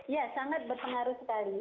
ya sangat berpengaruh sekali